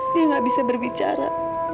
dia nggak bisa berbicara